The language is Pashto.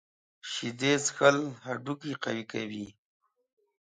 شیدې څښل هډوکي قوي کوي.